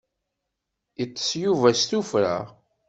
Itess Yuba s tuffra.